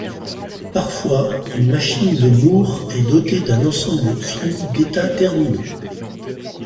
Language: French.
Parfois, une machine de Moore est dotée d'un ensemble fini d'état terminaux.